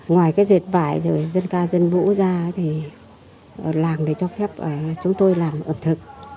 ngoài cái dệt vải rồi dân ca dân vũ ra thì làng này cho phép chúng tôi làm ẩm thực